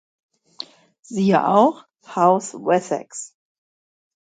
Siehe auch: Haus Wessex